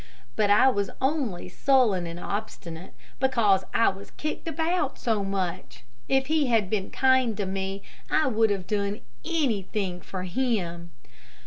But I was only sullen and obstinate, because I was kicked about so much. If he had been kind to me, I would have done anything for him.